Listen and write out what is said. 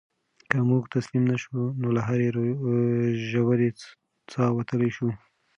که موږ تسلیم نه شو نو له هرې ژورې څاه وتلی شو.